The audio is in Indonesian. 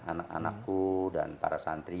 anak anakku dan para santri